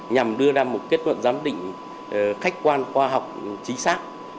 nhằm đưa ra một kết luận giám định khách quan khoa học chính xác